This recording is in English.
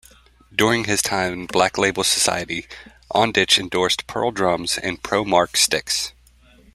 During his time in Black Label Society, Ondich endorsed Pearl Drums and Pro-Mark Sticks.